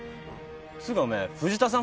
つうかおめえ藤田さん